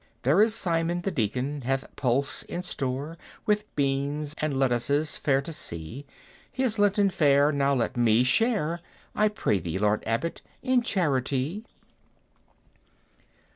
"There is Simon the Deacon hath pulse in store, With beans and lettuces fair to see: His lenten fare now let me share, I pray thee, Lord Abbot, in charitie!"